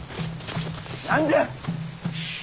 何じゃ！